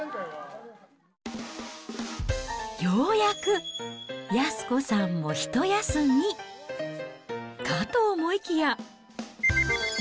ようやく安子さんも一休み、かと思いきや。